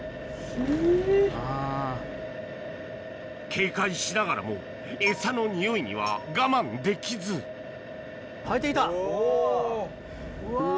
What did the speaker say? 警戒しながらもエサのニオイには我慢できずおぉうわ！